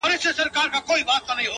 خوارسومه انجام مي د زړه ور مـات كړ.